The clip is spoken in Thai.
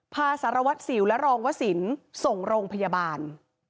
พาสารวัติศิลป์และรองวศิลป์ส่งโรงพยาบาล